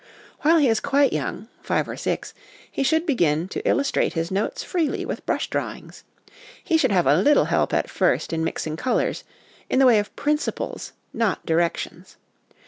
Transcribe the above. While he is quite young (five or six), he should begin to illustrate his notes freely with brush drawings ; he should have a little help at first in mixing colours, in the way of principles, not directions.